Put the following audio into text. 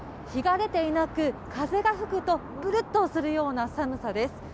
日が出ていなく、風が吹くとブルッとするような寒さです。